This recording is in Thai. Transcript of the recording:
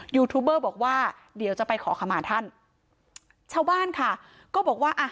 ยูทูบเบอร์บอกว่าเดี๋ยวจะไปขอขมาท่านชาวบ้านค่ะก็บอกว่าอ่ะ